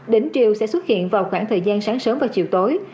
đỉnh triều sẽ xuất hiện vào khoảng thời gian sáng sớm và chiều tối